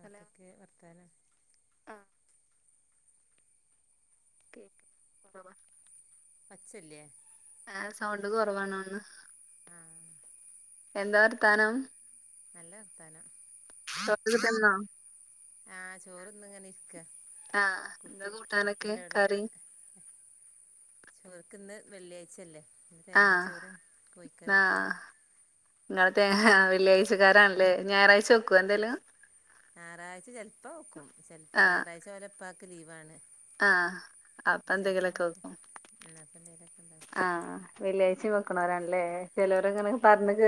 Hello വർത്താനം ആഹ് [unintelligible] ച്ചല്ല്യാ? ഏ sound കൊറവാണോന്ന്? ആഹ്. എന്താ വർത്താനം? നല്ല വർത്താന. [unintelligible] [unintelligible] ആഹ് ചോറ്ന്ന്ങ്ങനെ ഇര്ക്കാ. ആഹ് എന്താ കൂട്ടാനൊക്കെ കറി? ഇവർക്ക്ന്ന് വെള്ളിയായ്ചല്ലേ ആഹ് തേങ്ങാച്ചോറും കോയിക്കറിക്കൊ. അതെ വെള്ളിയാഴ്ചക്കാരാണ്ലെ ഞാറായ്ച വെക്കുവൊ എന്തേലും? ഞാറാഴ്ച ചെൽപ്പ വെക്കും ആഹ് ഞാറാഴ്ച ഇവരേ ഇപ്പാക്ക് ലീവാണ്. ആഹ്, അപ്പോ ചെലപ്പോ അപ്പന്തെങ്കിലൊക്ക വെക്കും. ഉം അപ്പോ എന്തേലൊക്കെ ഉണ്ടാക്കും ആഹ്, വെള്ളിയായ്ച പിന്നെ വെക്ക്ണോരാൻലെ ചെലൊരങ്ങനെ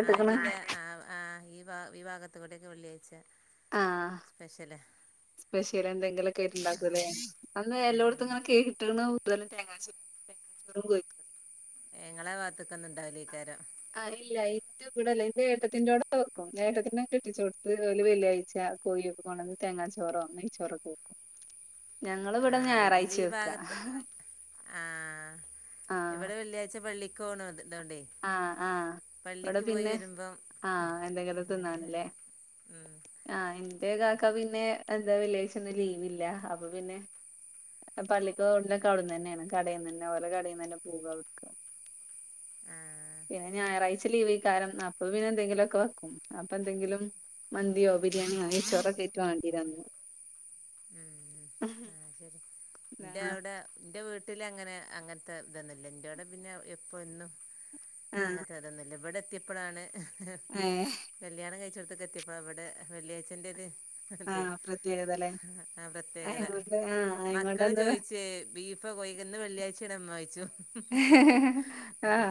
ആഹ്, ഇതിലെ ആഹ് ആഹ് ഈ ഭാ ഈ ഭാഗത്ത്കൂടിഒക്കെ വെള്ളിയായ്ച്ച ആഹ് സ്പെഷ്യല് എന്തെങ്കിലൊക്കേയ്ട്ട് ആഹ് ഉം ണ്ടാക്കൂലേ? അന്ന് ഉം എല്ലോട്ത്തും ഇങ്ങനെ ഉം കേട്ട്ണു [unintelligible] [unintelligible] ഏഹ് ങ്ങളാ ഭാത്ത്ക്കൊന്നും ണ്ടാവുലെയ്ക്കാരം. അറിഇല്ല [unintelligible] ഇവടല്ല ന്റെ ഏട്ടത്തിന്റൊടക്ക വെക്കും ഏട്ടത്തിനേ കെട്ടിച്ചോട്ത്ത് ഓല് വെള്ളിയായ്ച്ചാ പോയി കൊണ്ടന്ന് തേങ്ങാ ചോറൊ നെയ്ചോറൊക്ക വെക്കും. ഞങ്ങള് വടെ ഞാറായ്ച്ചേ വെക്ക്ആ. ആഹ് ഇവടെ വെള്ളിയായ്ച പള്ളീക്കൊണോ ത് ദോണ്ടേയ് ആഹ് ആഹ് ഇവടെ പിന്നെ ആഹ് എന്തേങ്കിലും ത് അങ്ങനെ ന്നാന്ലെ. ഉം ആഹ് എന്റെ കാക്ക പിന്നെ എന്താ വെള്ളിയായ്ച്ചന്നും ലീവില്ല അപ്പൊ പിന്നെ പള്ളീക്ക് [unintelligible] അവ്ട്ന്നന്നേണ് കടേന്നന് ഓലെ കടീന്നന്നേ പോവ്വാ അവ്ട്ക്ക്. ആഹ്. ഞായറായ്ച്ച ലീവയ്കാരം അപ്പ പിന്നെന്തെങ്കിലൊക്ക വക്കും. അപ്പൊ എന്തെങ്കിലും മന്തിയോ ബിരിയാണിയോ നെയ്ച്ചോറക്കായ്റ്റ് വാണ്ടിരും അന്ന്. ഉം ആഹ് ശെരി ദവടെ ൻ്റെ വീട്ടില് അങ്ങനെ അങ്ങൻത്തെ തൊന്നുല്ല ന്റൊടെ പിന്നെ എപ്പോ എന്നും ആഹ് അങ്ങൻത്ത തൊന്നുല്ല ബടെത്തിയപ്പളാണ് ഏഹ്. കല്യാണം കയ്ച്ചോട്ത്ത്ക്ക് എത്തിയപ്പളാ വടെ വെള്ളിയായ്ച്ചന്റെര് അതെ ആഹ് പ്രത്യേകതല്ലേ ആഹ് പ്രത്യേകത അയ്ങ്ങോണ്ട് ആഹ് മക്കള് അയ്ങ്ങോണ്ടെന്താ ചോയ്ച്ചേ ബീഫ് പ്പൊ [unintelligible] ന്ന് വെള്ളിയായ്ച്ചേണോ മ്മായ്ച്ചും. ആഹ്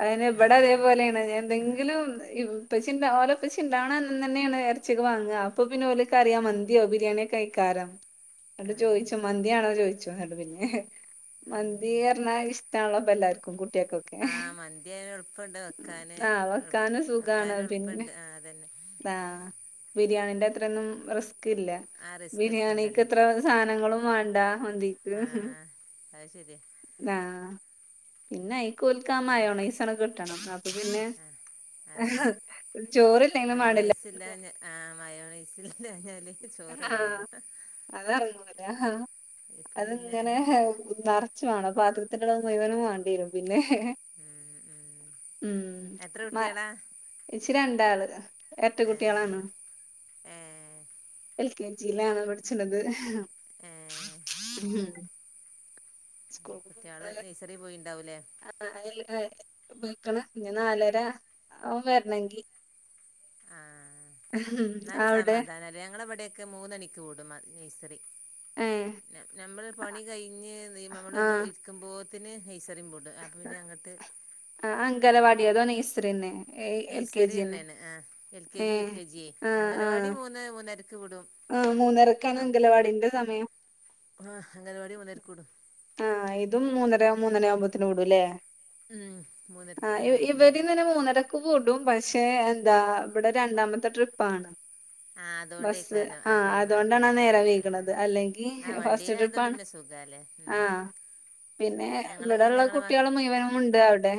അയന്നെ ബടതെ അങ്ങനെ പോലെ എന്തെങ്കിലും ഇപ്പച്ചിണ്ടാ ഓലപ്പച്ചി ണ്ടാവ്ണന്നന്നേണ് എർച്ചിക്ക വാങ്ആ. ‌ അപ്പൊ പിന്നെ ഓല്ക്കറിയാം മന്തിയോ ബിരിയാണിക്കയ്കാരം. ആ ന്ന്ട്ട് ചോയ്ച്ചും മന്തിയാണോ ചോയ്ച്ചും ന്ന്ട്ട് പിന്നെ മന്തി ഇഷ്ട്ടാണള്ളൊ പ്പഎല്ലാർക്കും കുട്ട്യേക്ക് ആഹ് മന്തിആയ യൾപ്പണ്ട് വെക്കാന് ആഹ് വെക്കാനും സുഖാണ് വെക്കാന് പിന്നെ യൾപ്പണ്ട് ആഹ് അതന്നെ. ആഹ്, ബിരിയാണിന്റെത്രന്നും റിസ്ക്കില്ല ആ റിസ്ക് ബിരിയാണിക്ക് എടുക്കണ്ടല്ലോ ഇത്ര സാനങ്ങളും വാണ്ടാ മന്തിക്ക്. അഅ്‌ ശെരിയാ. ആഹ് പിന്നെ അയ്കൊൽക്ക് ആ പിന്നെ മയോണൈസട് ക്ട്ടണം. പിന്നെ ആ ചോറില്ലെങ്കിലും മാണ്ടില്ല ആഹ് മയോണിസില് ആഹ് അതറങ്ങൂല ഇപ്പൊ അത് പിന്നെ ഇങ്ങനെ നിറച്ചു വേണോ പാത്രകത്തില്ള്ള മുയ്മനും വേണ്ടി വരും പിന്നെ ഉം ഉം എത്ര ഉം കുട്ടികളാ ഇച്ചി രണ്ടാള് എരറ്റ കുട്ടികളാണ് ഏഹ് എൽ കെ ജിയിലാണ് പഠിച്ചിണത് ആഹ് ഉം സ്കൂൾക്ക് കുട്ട്യാള് നഴ്സറിൽ പോയിണ്ടാവൂലേ ആഹ് [unintelligible] വെക്കണം ഇനി നാലര ആവും വരണമെങ്കിൽ ആഹ് എന്നല് അവിടെ സമാധാനല്ല ഞങ്ങള അവിടെയൊക്കെ മൂന്നണിക്ക് വിടും നെയ്സറി ഏഹ് നമ്മള് പണി കഴിഞ്ഞ് നമ്മള ഒന്ന് ആഹ് ഇരിക്കുമ്പോത്തിന് നെഴ്സറിം പോ പിന്നെ അങ്ങോട്ട് ഞ അത്രന്നെ നെയ്സറി തന്നെയാണ് ആഹ് എൽ കെ ഏ ജി, യു കെ ജി അംഗലവാടി മൂന്ന് മൂന്നരക്ക് വിടും ആഹ് മൂന്നരക്കാണ് അപ്പ അംഗലവാടിൻ്റെ സമയം ആഹ് അംഗനവാടി മൂന്നരക്ക് വിടും ആഹ് ഇതും മൂന്നര മൂന്നര ആകുമ്പത്തിന് വിടുംല്ലേ ഉം മൂന്നരക്ക് ആഹ് ആകുമ്പോത്തിന് വിടും ഇവരിന്നന്നെ മൂന്നര കൂടും പക്ഷെ എന്താ ഇവിടെ രണ്ടാമത്തെ ട്രിപ്പാണ് ആഹ് അതുകൊണ്ടേക്കാരം ആഹ് അതുകൊണ്ടാണ നേരം വൈക്ണത് അല്ലെങ്കി ആ ഫസ്റ്റ് വണ്ടിയിലായതുകൊണ്ട് ട്രിപ്പാണ് പിന്നെ സുഖാല്ലേ ഉം ആഹ് പിന്നെ ഞങ്ങളൊക്കെ പിന്നെ ഇവിടെള്ള ഞങ്ങളെ മ കുട്ടികളെ മുയ്മനും ഉണ്ട് അവിടെ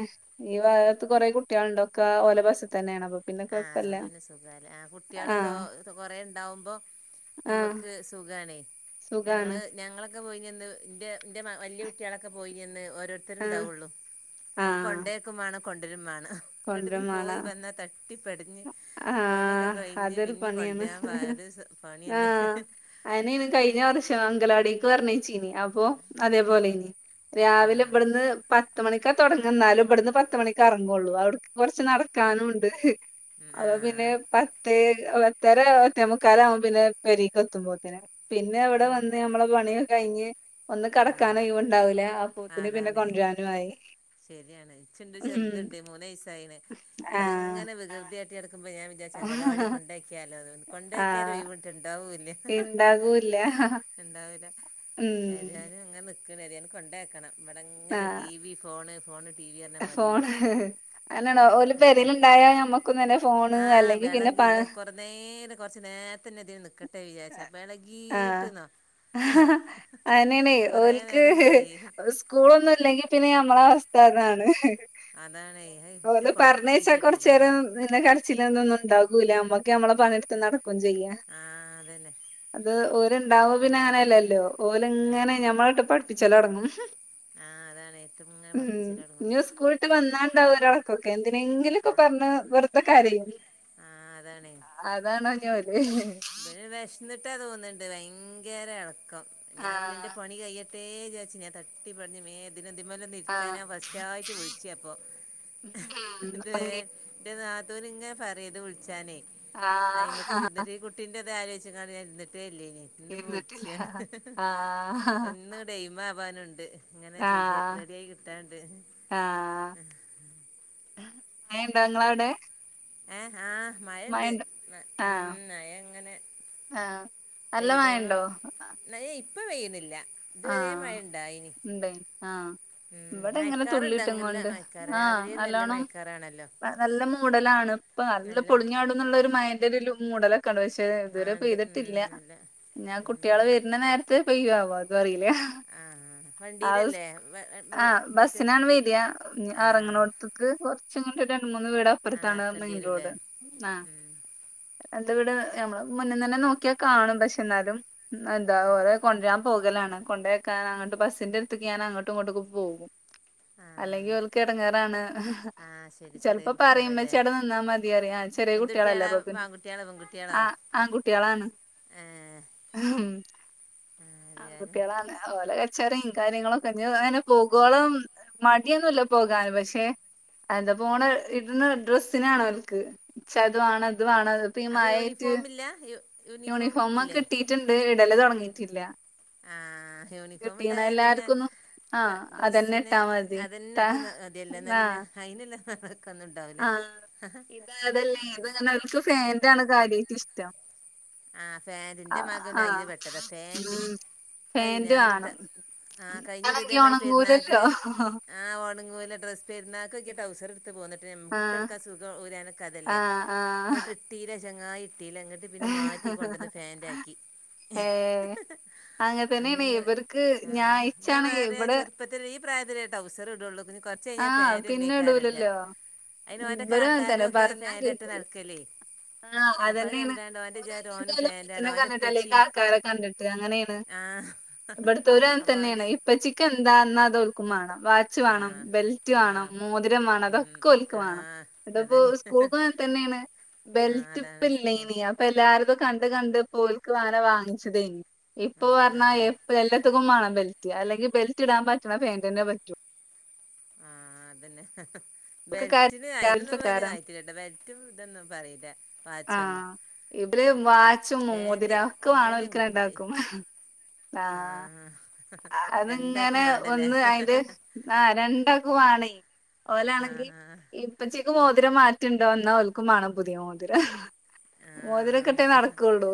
ഈ ഭാഗത്ത് കുറെ കുട്ടികളുണ്ടൊക്കെ ഓല ബസ് തന്നെയാണ് അപ്പൊ പിന്നെ ആഹ് കൊഴപ്പല്ല അതോണ്ട് പിന്നെ സുഖലെ ആഹ് കുട്ടികള് ആ തോ കുറേണ്ടാകുമ്പം ആ ഞമ്മക്ക് സുഖാണെ സുഖാണ് ഞങ്ങള് ഞങ്ങൾ പോയി നിന്ന് ന്റെ ന്റെ വലിയ കുട്ടികളൊക്കെ പോയി നിന്ന് ഓരോ ആ ഉണ്ടാവുള്ളു ഇങ്ങട്ട് ആ കൊണ്ടേക്കും വേണം കൊണ്ടരും വേണം ഇങ്ങോട്ട് കൊണ്ടരും പിന്നെ പോയി മാണം വന്നാൽ ത തട്ടിപ്പടിഞ്ഞ് പണിയൊക്കെ ആഹ് കഴിഞ്ഞ് അതൊരു പിന്നിം പണിയാണ് കൊണ്ടരാൻ പര് പണിയെന്നെ അങ്കലവാടിക്ക് പറണേച്ചിനി അപ്പോ അതേപോലെ ഇനി ആ രാവിലെ ഇവിടുന്ന് പത്ത് മണിക്കാ തുടങ്ങ എന്നാലും ഇവിടന്ന് പത്ത മണിക്ക ഇറങ്ങുള്ളു അവിടക്ക് കൊറച്ച് നടക്കാനും ഉണ്ട് ആ അത പിന്നെ പ പത്തര പത്തെമുക്കാലാവും പിന്നെ പെരേക്ക് എത്തുമ്പോത്തിനും പിന്നെ അവിടെ വന്ന് നമ്മളെ പണിയക്കെ കഴിഞ്ഞ് ഒന്ന് ആ കെടക്കാനൊഴിവ് ഉണ്ടാവൂല്ല ആ പൂത്തിന് പിന്നെ അതാണ് കൊണ്ടരാനു ആയി ശരിയാണ് ഇച്ചിണ്ട് ഉം ചെറുതുണ്ട് മൂന്ന് വയസായിന് ഇവിടെ ആഹ് ഇങ്ങനെ വികൃതിയട്ടി നടക്കുമ്പോ ഞാൻ അങ്കലവാടി കൊണ്ടാക്കിയാലോന്ന് കൊണ്ടാക്കിയാൽ ആഹ് ഒഴിവ്ട്ടുണ്ടാവില്ല ഇണ്ടാകൂല്ല ഉണ്ടാവില്ല ഉം ഏതാനും ഇങ്ങനെ നി കൊണ്ടയാക്കണം ഇവിടെങ്ങനെ T V phone phone phone അങ്ങനെയണോ ഓരു എപ്പ പേരേൽണ്ടായാ നമ്മുക്ക്ന്നെ ഫോണ് അല്ലെങ്കിൽ പിന്നെ നേരെ കുറച്ച നേരത്തന്നെ ഇതിന് നിക്കട്ടെ വിചാരിച്ച് അപ്പ ഇളകീട്ട്ന്നോ അഹ്നേണേ ഓൽക്ക് നേരം ഇതായി സ്‌ കൂളൊന്നും ഇല്ലെങ്കി പിന്നെ ഞമ്മളെ വസ്ഥ അതാണ് അതാണേ ഓലെ പറഞ്ഞയ്ച്ചാ കൊർച്ചേരം നിന്നെ കര്ചിലോന്നൊന്നും ഉണ്ടാകൂല അമ്മക്ക് നമ്മളെ പണെടുത്ത് നട ക്കും ചെയ്യ ആഹ് അതന്നെ അത് ഓര്ണ്ടാവോ പിന്നെ അതാത് അങ്ങനെയല്ലല്ലോ ഓല് ഇങ്ങനെ ഉം ഞമ്മളെട്ട് പഠിപ്പിച്ചലൊടങ്ങും ആ അതാണ് എത്തുങ്ങനെ ഉം പഠിപ്പിച്ചല് തൊടങ്ങും ഞ് സ്കൂൾ ട്ട് വന്നാണ്ടാവും ഒരടക്കൊക്കെ എന്തിനെങ്കിലൊക്കെ പറഞ് വെറുത കരയും ആഹ് അതാണ് അതാണോഞ്ഞോല് ഇവന് വിഷന്നിട്ടാ തോന്നുണ്ട് ഭയങ്കര ഇളക്കം ഞാൻ പിന്നെ എന്റെ ആഹ് പണി കഴിയ ട്ടേ ചാരിച്ചു ഞാൻ തട്ടി പട്ഞ് മേ തിനതിമലൊന്നും ആഹ് ഇര്ക്കാനാ ഫസ്റ്റ് ആയിട്ട് വിളിച്ചാ അപ്പൊ ഉം ഇതുവരെ ഉറങ്ങി ഇൻ്റെ നാത്തൂന് ഇങ്ങനെ പറയും ഇത് വിളിച്ചാനേ ആ അയി്മക്ക്തിര്ന്ന്ട്ട് ഈ കു ട്ടിന്റെറത് ആലോയ്ചിങ്ങാണ്ട് ഇര്ന്ന്ട്ടേല്ലേനി ഇന്ന് ഇരുന്നിട്ടില്ല വിളിച്ചാണ് ആ പൊ ഇന്ന് ദേയ്മാവാനുണ്ട് ഇങ്ങനെ ചെ ചെ റെഡിയായി കിട്ടാൻണ്ട് ആഹ് മഴണ്ടോ ങ്ങളവിടെ ഏഹ് ആഹ് മഴണ്ട് ന്ന് ഉം മഴ ഇങ്ങനെ ആഹ് നല്ല മഴണ്ടോ മഴ ഇപ്പ പെയ്യുന്നില്ല ഇതുവരെ ആഹ് മഴ ഇണ്ടായിനി ഉണ്ട് ആഹ് ഉം ഇവടെ ഇങ്ങനെ മയക്കാറുണ്ട് നല്ല തുള്ളിട്ടുങ്ങോണ്ട് മയക്കാറ് ആഹ് രാവിലെ നല്ല നല്ലോണം മയക്കാറാണല്ലോ നല്ല മൂടലാണ് ഇപ്പൊ നല്ല പൊളിഞ്ഞാടും ന്നുള്ള ഒരു മഴൻ്റ ഒരു മൂടല് ക്കാണ് പക്ഷെ ആ ഇതുവരെ ഉണ്ട് ഉം പെയ്തിട്ടില്ല നല്ല ഇനി ആ ഉം കുട്ടികള് അതന്നെ വരുന്ന നേരത്ത് പെയ്യോ ആവോ അത് അതും അറിയില്ല ആഹ് ആഹ് വണ്ടിയിലല്ലേ ആഹ് മിറ്റ ബസിനാണ് വര്ആ ആഹ് എറങ്ങണോട്ത്ത് ക്ക് കൊറച്ങ്ങട്ട് രണ്ട് മൂന്ന് വീട് ആ അപ്പുറത്താണ് നടക്കേണ്ടി മെയിൻ വരൂല്ലേ റോഡ് ആഹ് ഉം എൻ്റെ വീട് ഞമ്മള് മുന്നിന്നെന്നെ നോക്കിയാ കാണും പക്ഷെ എന്നാലും ന്നെന്താ ഓര് കൊണ്ട്രാം പോകലാണ് കൊണ്ടേയ്ക്കാൻ അങ്ങട്ട് ബസ്സിന്റെ അടുത്ക്ക് അങ്ങോട്ടും ഇങ്ങോട്ടും ഒക്ക പോകും ആഹ് അല്ലെങ്കിൽ ഓൽക്ക് ഇടങ്ങേറാണ് ആഹ് ശരി ചെറിയ ചെലപ്പോ പറയും കുട്ടികളല്ലേ ഉമ്മച്ചി അവിട നിന്നാ മതി അറിയ ചെറിയ എന്ത് കുട്ടികളല്ലേ കുട്ടികളാ അപ്പൊ പിന്ന ആൺകുട്ടികളോ ആഹ് ആൺകുട്ട്യേളാണ് എഹ് ഏഹ് ഉം ആൺ ആരായാലും കുട്ട്യേളാണ് ഓലെ കാ ചെറിൻ കാര്യങ്ങളൊക്കെ അങ്ങനെ പോകോളം മടിയൊന്നുല്ല പോകാന് പക്ഷെ അഹ് എന്താ പോണ ഇട്ണ ഡ്രസ്സിനാണ് അവർക്ക് ഇച്ച അത് വാണം ഇതു വാണം പ്പി അപ്പൊ മഴയായിട്ട് യൂണിഫോമില്ല യു യൂണിഫോം യൂണിഫോമൊക്കെ ഇല്ലേ കിട്ടിയിട്ടുണ്ട് ഇടല് തുടങ്ങിയിട്ടില്ല ആഹ് യൂണിഫോം ഉണ്ടായ പിന്നെ എല്ലാർക്കൊന്നും ആഹ് അതന്നെ ഡ്രെസ്സിന് ഇട്ടാ മതി ത അതന്ന ഇട്ട് മതിയല്ല എന്നാ പിന്നെ ആഹ് അയിന്ള്ള [unintelligible] ആഹ് ഇത് അതല്ലേ ഇത്ങ്ങനെ ഓൽക്ക് ഫാൻ്റാണ് കാര്യായിട്ട് ഇഷ്ടം ആഹ് ഫാൻ്റി ൻ്റെ ആഹ് മകന് ആഹ് അയില് പെട്ടത ഫാൻറ് ഉം അഹ് ഫാന്റ് ഞാനിട്ടാ വാണം ആഹ് കഴിഞ്ഞുറി അതാണെങ്കി ഇതേമാതിരി പെരുന്നാൾക്ക് ഒണങ്ങൂലല്ലോ ആഹ് ഓണങ്ങൂല ഡ്രസ് പെരുന്നാക്കൊക്കെ ട്രൗസറ്ട് ത്ത് പോന്നിട്ട് നമുക്ക് ഇട്ട് ആഹ് കൊടുക്കൻ സുഖം ഊരാനൊക്കെ അതല്ലേ ആഹ് ആഹ് ഇങ്ങട് ഇട്ടില്ല ചങ്ങായി ഇട്ടില്ല ഇങ്ങട് പിന്നെ മാറ്റി കൊണ്ട് വന്ന് ഫാൻ്റ് ആക്കി ഏഹ് അങ്ങനെ തന്നെയാണ് ഇവർക്ക് ഞാൻ ഇച്ചാണെങ്കി ഇവിടെ ചെറുപ്പത്തില് ഈ പ്രായത്തിലുട്രൗസർ ഇടുള്ളൂ കുറച്ച് കഴിഞ്ഞാ ആഹ് പിന്നെ ഫാൻന്റെല്ലെയ്ക്കാരം ഇടുക ഇടൂലല്ലോ അയിന് അവൻറെ ഇവരും അങ്ങനെ കാക്കാരും തന്നെ ഒക്കെ പറഞ്ഞാ പാൻ്റാ ഇട്ട് കേക്കൂല നടക്കലേ ആഹ് അപ്പൊ അത് അതന്നെയാണ് കണ്ട് ആണ്ട് അവന്റെ ഓല് വിചാരം ഓൻ ഒന്നെങ്കി ഓലെ പാൻ്റാണ് ഉപ്പച്ചിനെ അവന്റെ കണ്ടിട്ട് അല്ലെങ്കി ഉപ്പച്ചിയും കാക്കാരെ കണ്ടിട്ട് അങ്ങനെയാണ് ആഹ് അപ്പൊ അവന്റെ ഉപ്പച്ചിക്ക് എന്താ എന്നാൽ അത് ഓൽക്കും വേണം വാച്ച് വേണം ആഹ് ബെൽറ്റ് വേണം, ആഹ് മോതിരം വേണം, ഉം അതൊക്കെ ഓൽക്ക് വേണം ആഹ് ഇതിപ്പോ അതന്നെ സ്കൂൾ തന്നെയാണ് ആഹ് ബെൽറ്റ് ഇപ്പ അതാണ് സ്കൂ ഇല്ലേനി ഇപ്പ എല്ലാര്തും കണ്ട് കണ്ട് ഇപ്പൊ ഓൽക്ക് വേറെ വാങ്ങിച്ചതേനി ഇപ്പൊ ആഹ് പറഞ്ഞാ ആഹ് ഇപ്പ എല്ലത്തിക്കും വേണം ബെൽറ്റ് അല്ലെങ്കിൽ ബെൽറ്റ് ഇടാൻ പറ്റ്ണ പാൻ്റ് തന്നെ പറ്റും ആഹ് അതന്നെ ഓൽക്ക് കര ബെൽറ്റിന് അയിന് ഒന്നും രാവിലത്തെ ഇവന് കാരം ആയിട്ടില്ലല്ലോ ഇവിടെ ബെൽറ്റും ഇതൊന്നും പറയില്ല ആ വാച്ചൊന്നും ഇവര് വാച്ചും ഫാന്റ് മോതിരം ഒക്കെ വാണം ഫാന്റും ഓൽക്ക് കുപ്പായി രണ്ടാൾക്കും ആഹ് അത് രണ്ടാക്കും ഇങ്ങനെ വേണ്ടല്ലേ ഒന്ന് അയിന്റെ ആഹ് രണ്ടാക്കും വാണേയ് ഓലാണെങ്കി ആഹ് ഇ ഇപ്പച്ചിക്ക് മോതിരം മാറ്റ്ണ്ടോ ന്നാ ഓൽക്കും വാണം പുതിയ മോതിരം മോതിരക്കെട്ടേ ആഹ് നടക്കൊള്ളൂ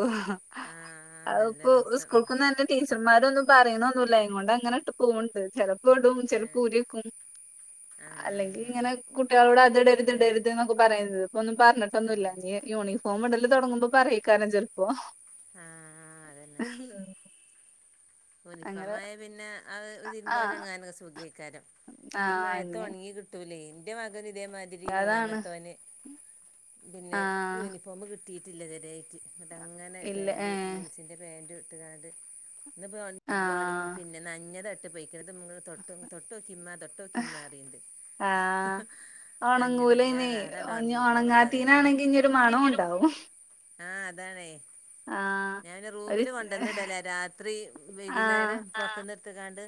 ആഹ് നല്ല അത്പ്പൊ രസം സ്കൂൾക്കൊന്ന് [unintelligible] ടീച്ചർമാരൊന്നും പറയ്ണ്ടാന്നുല്ല അയ്നെ കൊണ്ട് അങ്ങനെ ഇട്ട് പോവുണ്ട് ചിലപ്പോ ഇടും ഏഹ് ചിലപ്പോ ഊരി വെക്കും അല്ലെങ്കി ആഹ് ഇങ്ങനെ കുട്ടികളോട് അത് ഇടര്ത് ഇത് അതന്നെ ഇടര്ത് എന്നൊക്കെ പറയ്ണ ഇത് ഇപ്പ ഒന്നും പറഞ്ഞിട്ടൊന്നുല്ല ആഹ് ഏ യൂണിഫോം ഇടല് തൊടങ്ങ്മ്പോ പറയ്ക്കാരം ചെൽപ്പോ ആഹ് [inaudible] അങ്ങനെ യൂണിഫോമായാ പിന്നെ അഹ് തിര്മ്പാനും ആഹ് ഒണങ്ങാനൊക്കെ സുഖേയ്ക്കാരം ഈ മഴത്ത് ആഹ് ഒണങ്ങി കിട്ടൂല ഇന്റെ മകന് ഇതേമാതിരി അതാണ് മൂന്നാമത്തോന് പിന്നെ ആഹ് യൂണിഫോം കി ട്ടിയിട്ടില്ല ഇത് വരെ ആയിട്ട് ഇങ്ങട്ടങ്ങനെ ഇല്ല പാന്റ് ഏഹ് ജീൻസിൻ്റെ പാന്റ് ഇട്ട്ങ്ങാണ്ട് ഇന്ന്പ്പൊ ഒൺങ്ങി ആഹ് പിന്നെ നനഞ്ഞതാ ഇട്ട് പോയ്‌ക്ക്ണ് തൊട്ടോ തൊട്ടോക്കിമ്മ തൊട്ടോക്കിമ്മാ പറയ്ണ്ട് ആഹ് നഞ്ഞത് ഞാൻ ഓണങ്ങുലെന്ന് അതാണ്ട് ഉണങ്ങിക്കോളും പറയാന് ഓണങ്ങാത്തതീനാണെങ്കി ഇഞ്ഞ് ഒരു മണവും ഇണ്ടാവും ആഹ് അതാണേ ആഹ് ഞാൻ ഒരു റൂമില് കൊണ്ടന്ന് ഇടലാ രാത്രി ആഹ് വൈകുന്നേരം പൊർത്ത്ന്ന് എട്ത്ത്ങ്ങാണ്ട്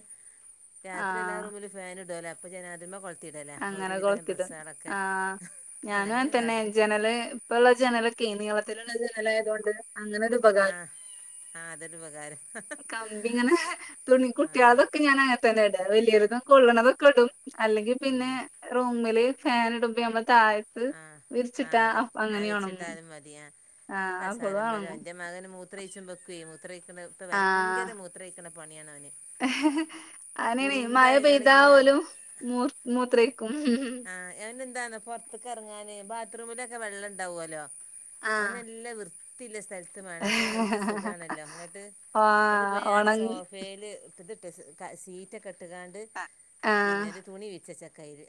രാത്രി എല്ലാ ആഹ് റൂമിലും ഫേൻ ഇട്ലൊ അപ്പ ജനവാതിൽമേ കൊളത്തിടും അങ്ങനെ കൊളത്തിടും ആ ഞാനും അങ്ങൻ അങ്ങനെയൊക്കെ തന്നെ കാട്ടല് ജനല് ഇപ്പ ഇള്ള ജനലൊക്കെ നീളത്തില് ഉള്ള ജനലായതോണ്ട് അങ്ങനൊരു ഉപകാരം ആഹ് ആഹ് അതൊരു ഉപകാരം കമ്പി ഇങ്ങനെ തുണി ആഹ് കുട്ട്യാൾതൊ ഒക്കെ ഞാൻ അങ്ങനെ തന്നെ ഇട വല്യോര്തും കൊള്ള്ണതൊക്കെ ഇടും അല്ലെങ്കി പിന്നെ ഉം റുമില് ഫാന് ഇട്മ്പോ നമ്മള് താഴെ ആ ആഹ് അതെ വിരിച്ച് ഉണങ്ങും ഇട്ടാലും മതി ആ ആഹ് അപ്പളും കാസരമ്മലോ ഉണങ്ങും എന്റെ മകന് മൂത്രയ്ച്ച്മ്പക്കയ് മൂത്രക്ക്ണോട്ത്ത് ഭയങ്കര മൂ ത്രയിക്ക്ണ പണി ആണ് അവന് അതന്നെണ് മഴ കുറുമ്പായി പെയയ്താ ഓല് കളിക്കിങ്ങാണ്ട് മൂ മൂത്രയ്ക്കും ആ അവനെന്താന്നോ പൊർത്ത്ക്ക് ഇറങ്ങാന് ബാത്റൂമിലൊക്കെ വെള്ളം ഇണ്ടാവലൊ ആ ഓനല്ല വൃ ത്തില്ല സ്ഥലത്ത് വേണം അപ്പ നല്ല സുഖണല്ലോ ഇങ്ങട്ട് ആ ഇന്നട്ട്പ്പ ഞാന് ഉണങ്ങി സോഫേല് [unintelligible] സീറ്റക്കെ ഇട്ട്ങ്ങാണ്ട് ആ പിന്നെ ഒര് തുണി വിര്ച്ചേച്ച്ക്കയില്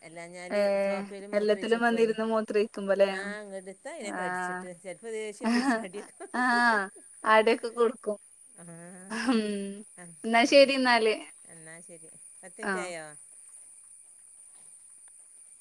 ഏ എല്ലാഞാല് സോഫെല് എല്ലാത്തിലും മൂത്രയ്ച്ചേക്കു ഓന് വന്നിരുന്ന് മൂത്രയിക്കുമ്പല്ലേ ആ ങ്ങട്ട് എത്താ ആ അയ്നെകടിച്ചിട്ട് ചെ [unintelligible] ൽപ്പൊ ദേഷ്യം പിടിച്ച് അടി ഒക്കെ അടി ഒക്കെ കൊട്ക്കും ഉം ന്നാ അങ്ങത്തെ ശെരിന്നാല് എന്നാ ശരി പത്ത് ആ മിനിറ്റ് ആയോ